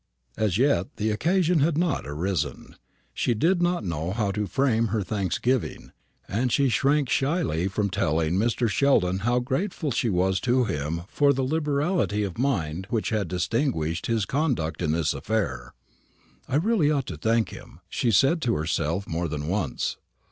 As yet the occasion had not arisen. She did not know how to frame her thanksgiving, and she shrank shyly from telling Mr. Sheldon how grateful she was to him for the liberality of mind which had distinguished his conduct in this affair. "I really ought to thank him," she said to herself more than once.